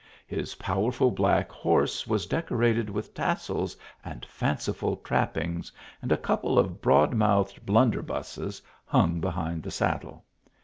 His powerful black horse was decorated with tassels and fanciful trappings, and a couple of broad mouth ed blunderbusses hung behind the saddle.